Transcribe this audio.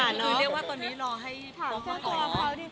ก็บอกว่าเซอร์ไพรส์ไปค่ะ